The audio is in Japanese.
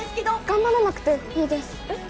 頑張らなくていいですえっ？